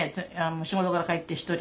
仕事から帰って独り。